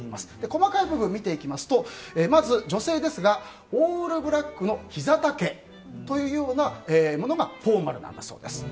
細かい部分を見ていきますとまず女性ですがオールブラックのひざ丈というようなものがフォーマルなんだそうです。